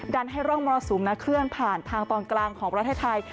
ให้ร่องมรสุมเคลื่อนผ่านทางตอนกลางของประเทศไทย